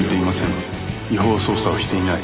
私は違法捜査をしていない。